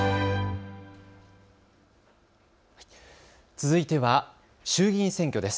続いては衆議院選挙です。